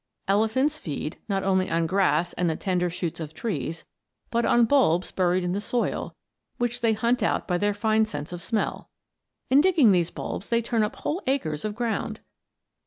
Elephants feed, not only on grass and the tender shoots of trees, but on bulbs buried in the soil, which they hunt out by their fine sense of smell. In digging these bulbs they turn up whole acres of ground.